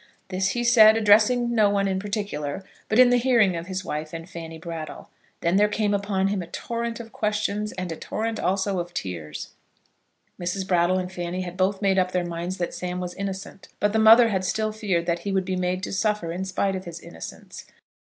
This he said, addressing no one in particular, but in the hearing of his wife and Fanny Brattle. Then there came upon him a torrent of questions and a torrent also of tears. Mrs. Brattle and Fanny had both made up their minds that Sam was innocent; but the mother had still feared that he would be made to suffer in spite of his innocence.